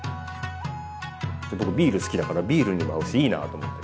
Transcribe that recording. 僕ビール好きだからビールにも合うしいいなと思って。